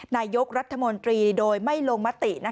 นายกรัฐมนตรีโดยไม่ลงมติ